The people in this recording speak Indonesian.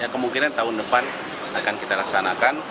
kemungkinan tahun depan akan kita laksanakan